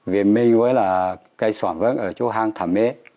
viên minh với là cái sỏn vẫn ở chỗ hàng thảm mê